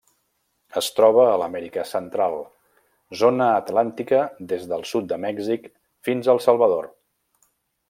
Es troba a l'Amèrica Central: zona atlàntica des del sud de Mèxic fins al Salvador.